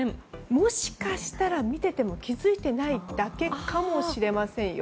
もしかしたら見ていても気づいていないだけかもしれませんよ。